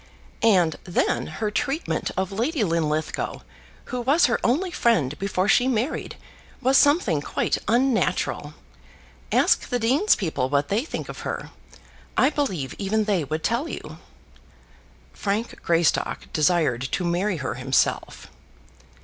"And then her treatment of Lady Linlithgow, who was her only friend before she married, was something quite unnatural. Ask the dean's people what they think of her. I believe even they would tell you." "Frank Greystock desired to marry her himself."